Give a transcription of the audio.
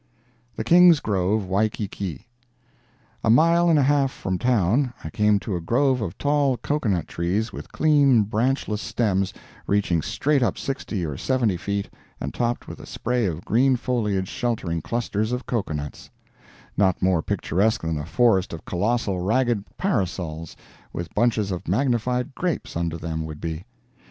THE KING'S GROVE, WAIKIKI A mile and a half from town, I came to a grove of tall cocoa nut trees, with clean, branchless stems reaching straight up sixty or seventy feet and topped with a spray of green foliage sheltering clusters of cocoa nuts—not more picturesque than a forest of colossal ragged parasols, with bunches of magnified grapes under them, would be.